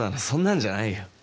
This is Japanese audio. そんなんじゃないよ。